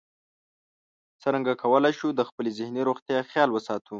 څرنګه کولی شو د خپلې ذهني روغتیا خیال وساتو